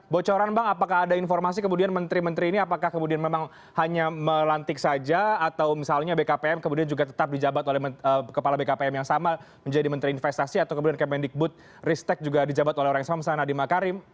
bocoran bang apakah ada informasi kemudian menteri menteri ini apakah kemudian memang hanya melantik saja atau misalnya bkpm kemudian juga tetap dijabat oleh kepala bkpm yang sama menjadi menteri investasi atau kemudian kemendikbud ristek juga dijabat oleh orang yang sama misalnya nadiem makarim